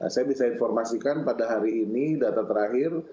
saya bisa informasikan pada hari ini data terakhir